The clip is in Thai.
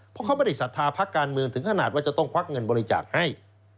เพราะเขาไม่ได้ศรัทธาพักการเมืองถึงขนาดว่าจะต้องควักเงินบริจาคให้